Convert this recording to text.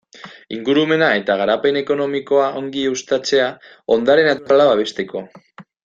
Ingurumena eta garapen ekonomikoa ongi uztatzea, ondare naturala babesteko.